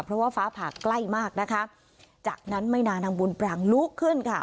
เพราะว่าฟ้าผ่าใกล้มากนะคะจากนั้นไม่นานนางบุญปรางลุกขึ้นค่ะ